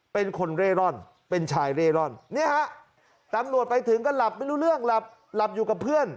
เป็นคนเร่ร่อนเป็นชายเร่ร่อนเนี่ยฮะตำรวจไปถึงก็หลับไม่รู้เรื่องหลับหลับอยู่กับเพื่อน